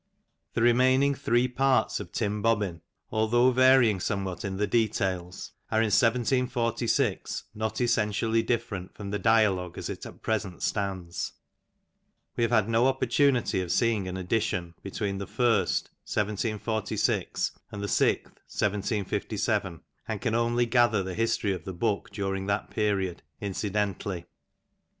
The remaining three parts of Tim Bobbin^ although vary ing somewhat in the details, are in 1746 not essentially different from the dialogue as it at present stands. We have had no oppor tunity of seeing an edition between the first, 1746, and the sixth, 1 757, and can only gather the history of the book during that period incidentally.